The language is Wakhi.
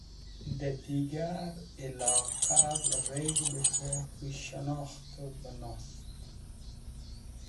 Dẽ digar ilodavẽ k̃hẽ k̃hũ shẽnokhtẽv bẽ nusẽt.